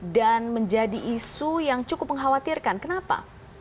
dan menjadi isu yang cukup mengkhawatirkan kenapa